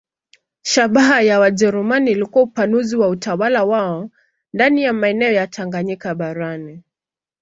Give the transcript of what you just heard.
Shabaha ya Wajerumani ilikuwa upanuzi wa utawala wao ndani ya maeneo ya Tanganyika barani.